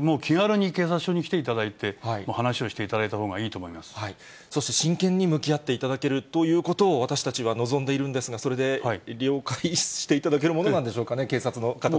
もう気軽に警察署に来ていただいて、話をしていただいたほうがいそして真剣に向き合っていただけるということを、私たちは望んでいるんですが、それで了解していただけるものなんでしょうかね、警察の方たちは。